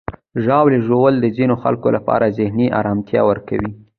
ژاوله ژوول د ځینو خلکو لپاره ذهني آرامتیا ورکوي.